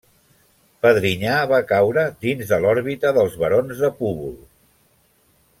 Pedrinyà va caure dins de l'òrbita dels barons de Púbol.